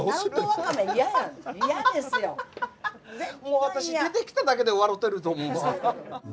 もう私出てきただけで笑てると思うわ。